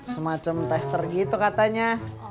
semacam tester gitu katanya